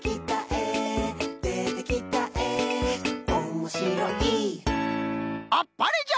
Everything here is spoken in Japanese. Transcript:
「でてきたえおもしろい」あっぱれじゃ！